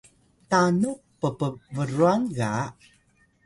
tanux ppbrwan ga